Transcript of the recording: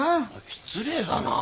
失礼だなあ。